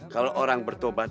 kalau orang bertobat